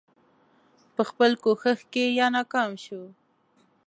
په خپل کوښښ کې یا ناکام شو.